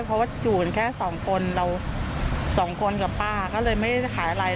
เพราะว่าอยู่กันแค่สองคนเราสองคนกับป้าก็เลยไม่ได้ขายอะไร